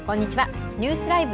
ニュースＬＩＶＥ！